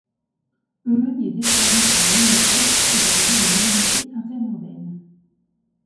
Heugnes est desservie par la ligne S du Réseau de mobilité interurbaine.